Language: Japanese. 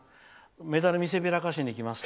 メダル見せびらかしに行きます。